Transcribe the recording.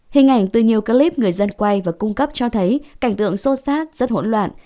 hình ảnh từ nhiều clip người dân quay và cung cấp cho thấy cảnh tượng xô xát rất hỗn loạn